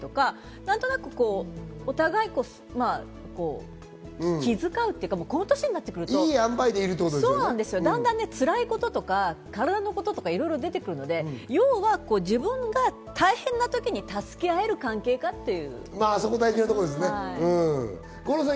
何となくお互い気遣うっていうか、この歳になってくると、だんだんつらいこととか、体のこととか、いろいろ出てくるので、要は自分が大変な時に助け合える関係だっていう。